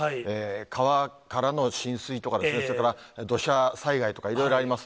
川からの浸水とかですね、それから土砂災害とかいろいろあります。